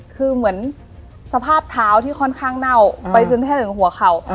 คือเหมือนสภาพเท้าที่ค่อนข้างเน่าไปจนแทบถึงหัวเข่า